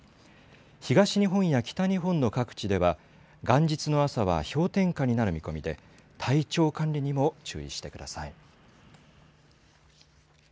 東日本や北日本の各地では元日の朝は氷点下になる見込みで体調管理にも注意してください。